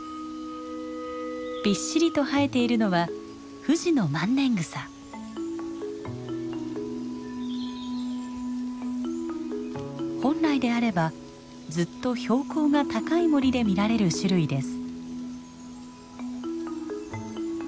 びっしりと生えているのは本来であればずっと標高が高い森で見られる種類です。